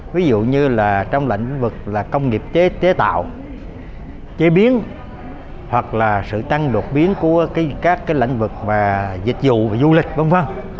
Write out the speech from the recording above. ví dụ như là trong lãnh vực là công nghiệp chế tạo chế biến hoặc là sự tăng đột biến của các cái lãnh vực và dịch vụ và du lịch v v